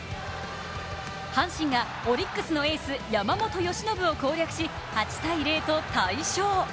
阪神がオリックスのエース・山本由伸を攻略し８−０と大勝。